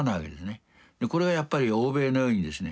これはやっぱり欧米のようにですね